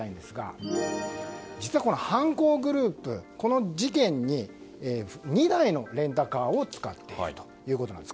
実は犯行グループこの事件に２台のレンタカーを使っているということです。